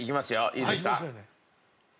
いいですか？